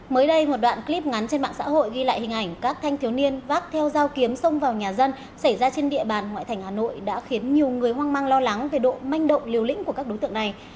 mới đây một đoạn clip ngắn trên mạng xã hội ghi lại hình ảnh các thanh thiếu niên vác theo dao kiếm xông vào nhà dân xảy ra trên địa bàn ngoại thành hà nội đã khiến nhiều người hoang mang lo lắng về độ manh động liều lĩnh của các đối tượng này